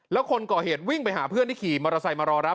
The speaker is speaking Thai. แล้วคนก่อเหตุวิ่งไปหาเพื่อนที่ขี่มอเตอร์ไซค์มารอรับ